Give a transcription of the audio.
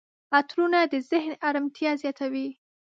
عطرونه د ذهن آرامتیا زیاتوي.